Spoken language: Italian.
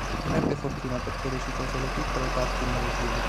Non ebbe fortuna, perché recitò solo piccole parti in nove film.